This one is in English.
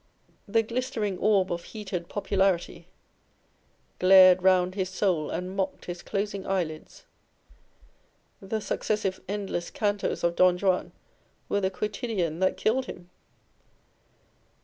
The glistering orb of heated popularity Glared round his soul and mocked his closing eyelids. * The successive endless Cantos of Don Juan were the quotidian that killed him